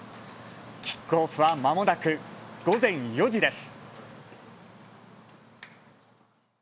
キックオフはまもなく午前４時です。